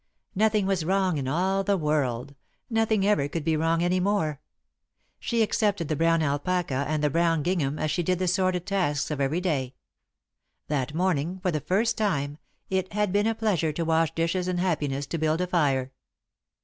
Nothing was wrong in all the world; nothing ever could be wrong any more. She accepted the brown alpaca and the brown gingham as she did the sordid tasks of every day. That morning, for the first time, it had been a pleasure to wash dishes and happiness to build a fire.